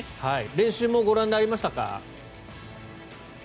練習もご覧になりましたか？